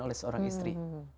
oleh seorang istri